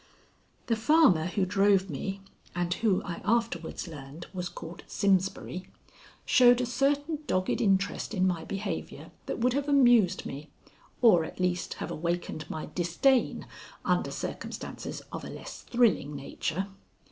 The farmer who drove me, and who I afterwards learned was called Simsbury, showed a certain dogged interest in my behavior that would have amused me, or, at least, have awakened my disdain under circumstances of a less thrilling nature.